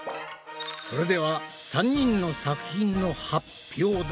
それでは３人の作品の発表だ。